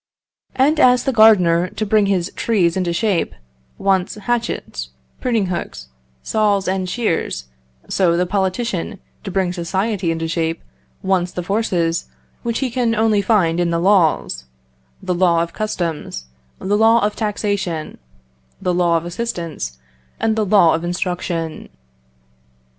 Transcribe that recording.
And as the gardener, to bring his trees into shape, wants hatchets, pruning hooks, saws, and shears, so the politician, to bring society into shape, wants the forces which he can only find in the laws; the law of customs, the law of taxation, the law of assistance, and the law of instruction.